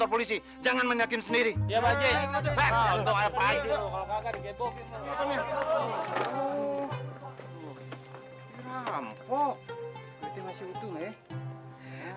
polisi jangan menyakini sendiri ya pak jeng